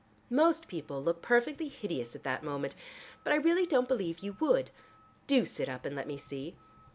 Most people look perfectly hideous at that moment, but I really don't believe you would. Do sit up and let me see.